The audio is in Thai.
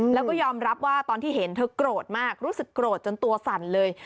แล้วก็ยอมรับว่าตอนที่เห็นเธอโกรธมากรู้สึกโกรธจนตัวสั่นเลย